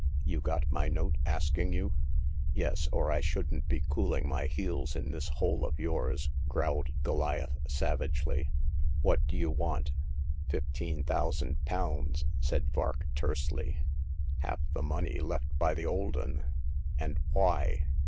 " You got my note asking you ?"Yes, or I shouldn't be cooling my heels in this hole of yours ?" growled Goliath, savagely. " What do you want ?"" Fifteen thousand pounds," said Vark, tersely. Half the money left by the old 'un ! And why